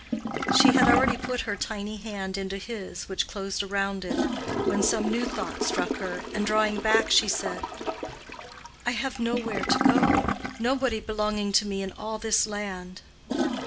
She had already put her tiny hand into his which closed around it, when some new thought struck her, and drawing back she said, "I have nowhere to go—nobody belonging to me in all this land."